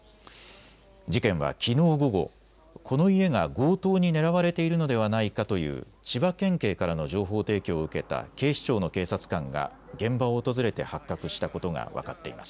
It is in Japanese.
事件はきのう午後、この家が強盗に狙われているのではないかという千葉県警からの情報提供を受けた警視庁の警察官が現場を訪れて発覚したことが分かっています。